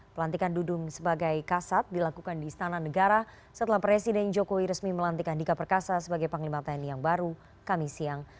pelantikan dudung sebagai kasat dilakukan di istana negara setelah presiden jokowi resmi melantik andika perkasa sebagai panglima tni yang baru kami siang